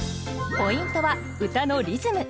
ポイントは歌のリズム。